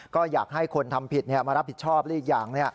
ก็อยากให้คนทำผิดมารับผิดชอบหรืออีกอย่าง